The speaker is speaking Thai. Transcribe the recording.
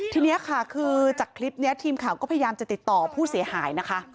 ทีนี้ค่ะคือจากคลิปนี้ทีมข่าวก็พยายามจะติดต่อผู้เสียหายนะคะ